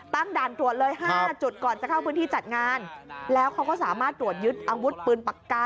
ด่านตรวจเลย๕จุดก่อนจะเข้าพื้นที่จัดงานแล้วเขาก็สามารถตรวจยึดอาวุธปืนปากกา